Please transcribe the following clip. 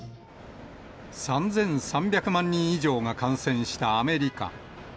３３００万人以上が感染したアメリカ。